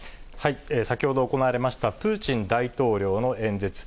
先ほど行われました、プーチン大統領の演説。